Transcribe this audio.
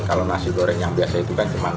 kalau nasi goreng yang biasa itu kan cuma